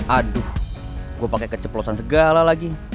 aduh gue pakai keceplosan segala lagi